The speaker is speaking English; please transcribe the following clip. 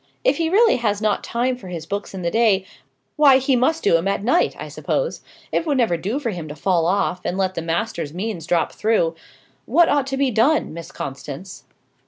If he really has not time for his books in the day, why he must do 'em at night, I suppose; it would never do for him to fall off, and let the master's means drop through. What ought to be done, Miss Constance?"